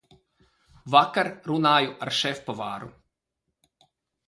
Vakar runāju ar šefpavāru.